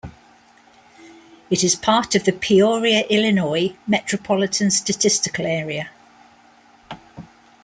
It is part of the Peoria, Illinois Metropolitan Statistical Area.